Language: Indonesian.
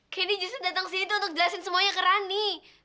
kenny justru datang sini tuh untuk jelasin semuanya ke rani